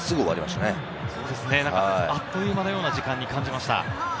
あっという間のような時間に感じました。